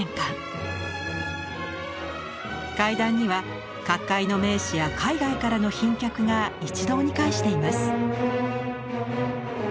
階段には各界の名士や海外からの賓客が一堂に会しています。